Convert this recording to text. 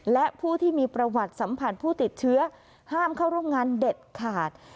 และผู้ที่มีประวัติสัมผัสผู้ติดเชื้อห้ามเข้าร่วมงานเด็ดขาด